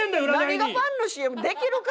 何がパンのＣＭできるか！